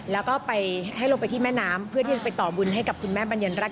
แล้วก็ไปให้ลงไปที่แม่น้ำเพื่อที่จะไปต่อบุญให้กับคุณแม่บัญญรัฐ